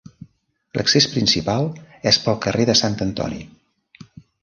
L'accés principal és pel carrer de Sant Antoni.